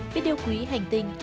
biết điều quý hành tinh